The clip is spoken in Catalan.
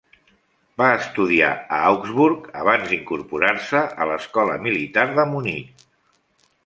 Va estudiar a Augsburg abans d'incorporar a l'escola militar de Munic.